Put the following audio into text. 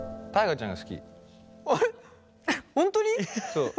そう。